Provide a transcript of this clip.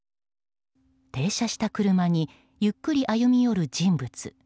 停車した車にゆっくり歩み寄る人物。